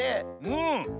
うん。